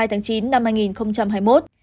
hai tháng chín năm hai nghìn hai mươi một